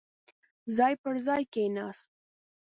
ځای پر ځاې کېناست.